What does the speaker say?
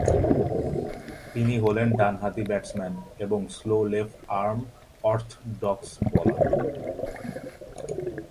তিনি হলেন ডানহাতি ব্যাটসম্যান এবং slow left arm orthodox bowler.